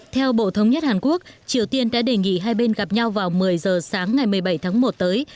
theo bộ thống nhất hàn quốc triều tiên đã đề nghị hai bên gặp nhau vào một mươi giờ sáng ngày một mươi bảy tháng một tới